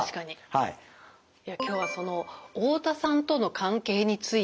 はい。